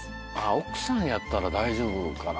奥さんやったら大丈夫かな。